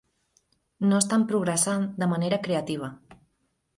No estan progressant de manera creativa.